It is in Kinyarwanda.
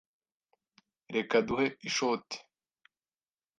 Reka duhe ishoti.